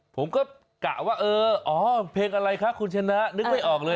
ผมก็กะว่าเอออ๋อเพลงอะไรคะคุณชนะนึกไม่ออกเลย